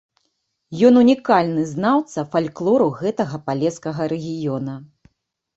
Ён унікальны знаўца фальклору гэтага палескага рэгіёна.